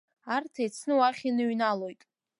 Арҭ еицны уахь иныҩналоит.